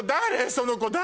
その子誰？